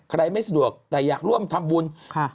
ใครไม่สะดวกแต่อยากร่วมทำบุญ